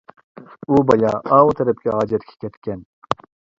ئۇ بايا ئاۋۇ تەرەپكە ھاجەتكە كەتكەن.